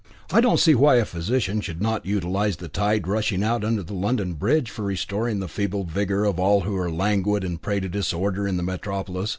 I don't see why a physician should not utilise the tide rushing out under London Bridge for restoring the feeble vigour of all who are languid and a prey to disorder in the Metropolis.